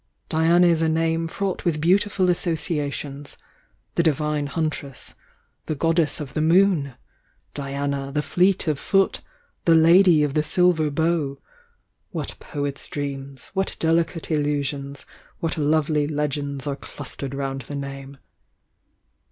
"Diana is a name fraught with beautiful associations— the divine huntress— the goddess of the moon! Diana, the fleet of foot^the lady of the silver bow! What poets' dreams, what delicate illusions, what lovely legends are clustered round the name!"